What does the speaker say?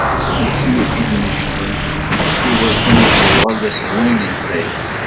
Asmi i t-id-necden i wakken ad yuɣal d aselway n Lezzayer.